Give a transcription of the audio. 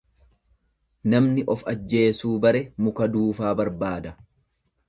Namni of ajjeesuu bare muka duufaa barbaada.